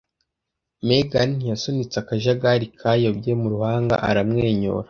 Megan yasunitse akajagari kayobye mu ruhanga aramwenyura.